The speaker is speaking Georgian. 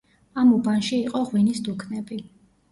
ამ უბანში იყო ღვინის დუქნები.